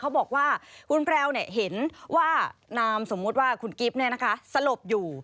เขาบอกว่าคุณแพรวเนี่ยเห็นว่านามสมมติว่าคุณกิ๊บเนี่ยนะคะสลบอยู่